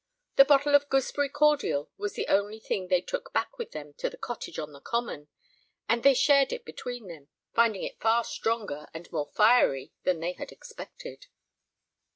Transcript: The bottle of gooseberry cordial was the only thing they took back with them to the cottage on The Common, and they shared it between them, finding it far stronger and more fiery than they had expected.